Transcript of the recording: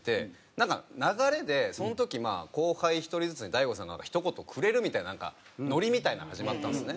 なんか流れでその時後輩１人ずつに大悟さんがひと言くれるみたいなノリみたいなのが始まったんですね。